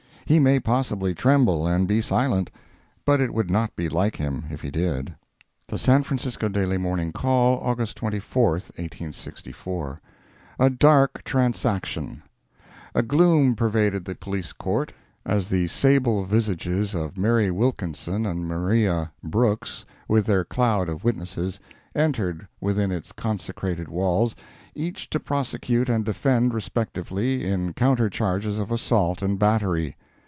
He may possibly tremble and be silent, but it would not be like him, if he did. The San Francisco Daily Morning Call, August 24, 1864 A DARK TRANSACTION A gloom pervaded the Police Court, as the sable visages of Mary Wilkinson and Maria Brooks, with their cloud of witnesses, entered within its consecrated walls, each to prosecute and defend respectively in counter charges of assault and battery.